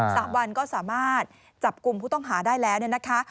สามวันก็สามารถจับกลุ่มผู้ต้องหาได้แล้วเนี่ยนะคะ